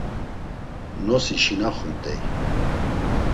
Nosi şinaxumt̆ey.